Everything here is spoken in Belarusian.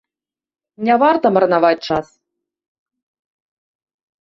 Не варта марнаваць час.